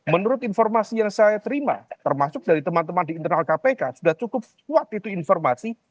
menurut informasi yang saya terima termasuk dari teman teman di internal kpk sudah cukup kuat itu informasi